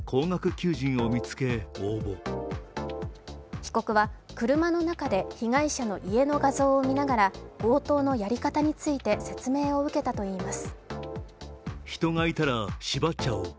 被告は車の中で被害者の家の画像を見ながら強盗のやり方について説明を受けたといいます。